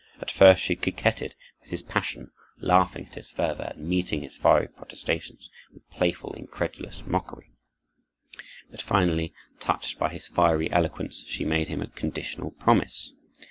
At first she coquetted with his passion, laughing at his fervor and meeting his fiery protestations with playful, incredulous mockery; but, finally touched by his fiery eloquence, she made him a conditional promise.